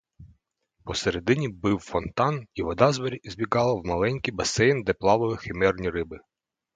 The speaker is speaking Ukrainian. Посередині бив фонтан, і вода збігала в маленький басейн, де плавали химерні риби.